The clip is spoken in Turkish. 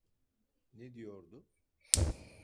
Ne diyordu?